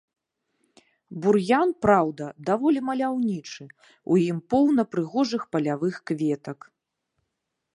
Бур'ян, праўда, даволі маляўнічы, у ім поўна прыгожых палявых кветак.